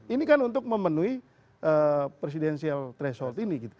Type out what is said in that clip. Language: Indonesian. ini kan untuk memenuhi presidensial threshold ini gitu